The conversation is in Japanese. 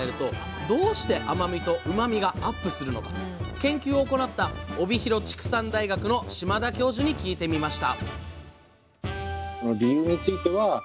研究を行った帯広畜産大学の島田教授に聞いてみました